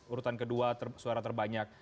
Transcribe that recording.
urutan kedua suara terbanyak